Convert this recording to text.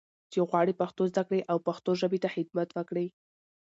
چې غواړي پښتو زده کړي او پښتو ژبې ته خدمت وکړي.